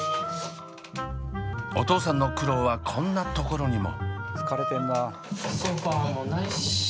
お父さんの苦労はこんなところにも。